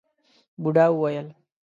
بوډا وويل: